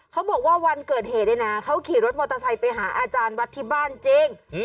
เขาบอกว่าวันเกิดเหตุเนี่ยนะเขาขี่รถมอเตอร์ไซค์ไปหาอาจารย์วัดที่บ้านจริง